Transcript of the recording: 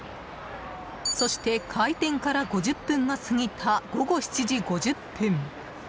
そして、開店から５０分が過ぎた午後７時５０分。